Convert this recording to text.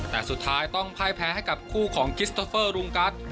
แต่สุดท้ายต้องพ่ายแพ้ให้กับคู่ของคิสเตอร์เฟอร์รุงกัส